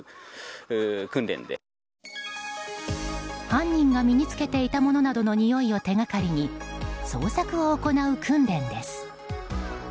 犯人が身に着けていたものなどのにおいを手掛かりに捜索を行う訓練です。